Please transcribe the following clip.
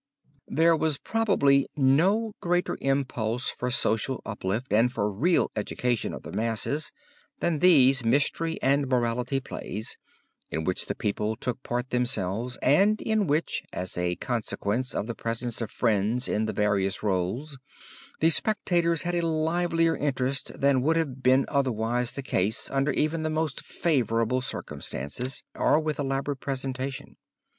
There was probably no greater impulse for social uplift and for real education of the masses than these mystery and morality plays, in which the people took part themselves and in which, as a consequence of the presence of friends in the various roles, the spectators had a livelier interest than would have been otherwise the case under even the most favorable circumstances, or with elaborate presentation.